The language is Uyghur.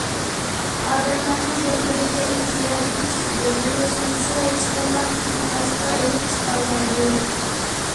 ئادەملەرنىڭ بىر - بىرىگە ئېھتىياجى چۈشىدۇ، بىرلەشمىسە، ھېچقانداق ئىشنى باشقا ئېلىپ چىقالمايدۇ.